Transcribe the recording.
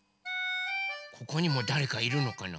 ここにもだれかいるのかな？